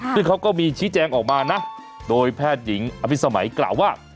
ซึ่งเขาก็มีชี้แจงออกมานะโดยแพทย์หญิงอภิษมัยกล่าวว่า